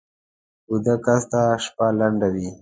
ویده کس ته شپه لنډه وي